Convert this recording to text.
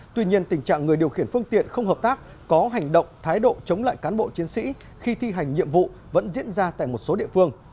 tuy nhiên tình trạng người điều khiển phương tiện không hợp tác có hành động thái độ chống lại cán bộ chiến sĩ khi thi hành nhiệm vụ vẫn diễn ra tại một số địa phương